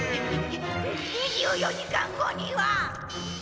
２４時間後には